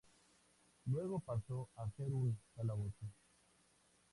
Luego pasó a ser un calabozo.